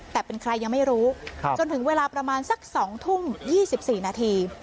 แต่เป็นใครยังไม่รู้ครับจนถึงเวลาประมาณสักสองทุ่มยี่สิบสี่นาที